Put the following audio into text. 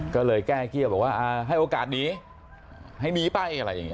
ก็เลยแก้เกี้ยบอกว่าให้โอกาสหนีให้หนีไปอะไรอย่างนี้